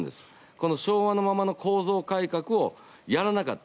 この昭和のままの構造改革をやらなかった。